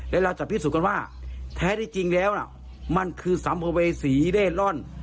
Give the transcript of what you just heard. และเราจะพิสูจน์กันว่าแท้ที่จริงแล้วมันคือสัมภเวษีเร่ร่อน